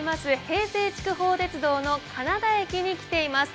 平成筑豊鉄道の金田駅に来ています。